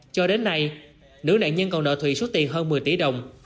cho đến nay nữ nạn nhân còn nợ thụy suốt tiền hơn một mươi tỷ đồng